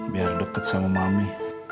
biar deket sama mami